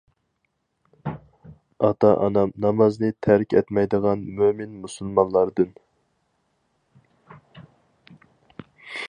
ئاتا-ئانام نامازنى تەرك ئەتمەيدىغان مۆمىن مۇسۇلمانلاردىن.